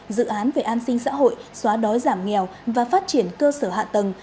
dự án về an sinh xã hội xóa đói giảm nghèo và phát triển cơ sở hạ tầng